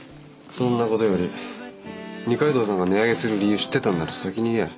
そんなことより二階堂さんが値上げする理由知ってたんなら先に言え。